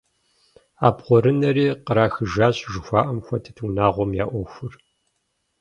«Абгъуэрынэри кърахыжащ» жыхуаӀэм хуэдэт унагъуэм я Ӏуэхур.